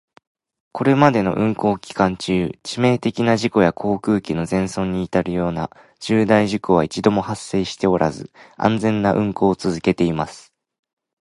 これまでの運航期間中、致命的な事故や航空機の全損に至るような重大事故は一度も発生しておらず、安全な運航を続けています。